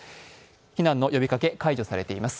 避難の呼びかけ解除されています。